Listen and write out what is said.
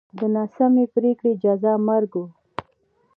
د ناسمې پرېکړې جزا مرګ و